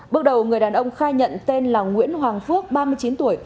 bước đầu người đàn ông khai nhận tên là nguyễn hoàng phước ba mươi chín tuổi